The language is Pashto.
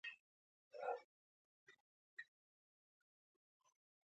مهربان ټینګار وکړ.